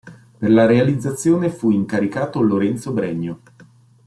Per la realizzazione fu incaricato Lorenzo Bregno.